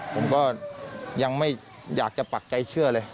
ผมก็ยังไม่อยากจะปักใจเชื่อเลย